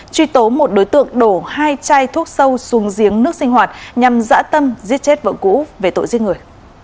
truy tố một đối tượng đổ hai chai thuốc sâu xuống giếng nước sinh hoạt nhằm dã tâm giết chết vợ cũ về tội giết người